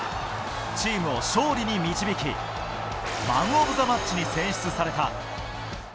チームを勝利に導き、マン・オブ・ザ・マッチに選出された。